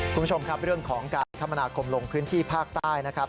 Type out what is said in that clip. คุณผู้ชมครับเรื่องของการคมนาคมลงพื้นที่ภาคใต้นะครับ